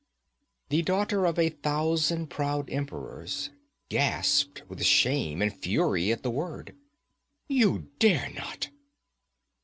The daughter of a thousand proud emperors gasped with shame and fury at the word. 'You dare not!'